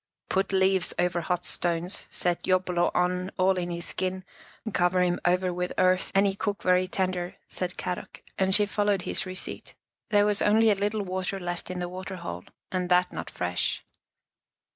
"" Put leaves over hot stones, set yopolo on, all in his skin, cover him over with earth and he cook very tender," said Kadok, and she followed his receipt. There was only a little water left in the water hole, and that not fresh.